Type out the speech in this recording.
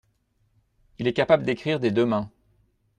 Il est capable d’écrire des deux mains.